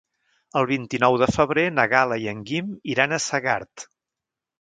El vint-i-nou de febrer na Gal·la i en Guim iran a Segart.